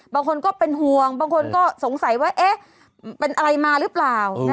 บางคนก็เป็นห่วงบางคนก็สงสัยว่าเอ๊ะเป็นอะไรมาหรือเปล่า